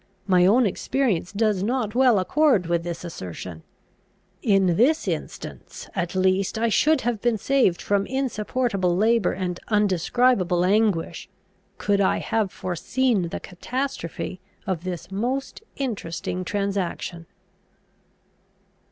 My own experience does not well accord with this assertion. In this instance at least I should have been saved from insupportable labour and undescribable anguish, could I have foreseen the catastrophe of this most interesting transaction.